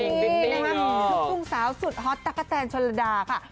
ลูกดุงสาวซุดฮอตตะกะแทนชนระดาค่ะ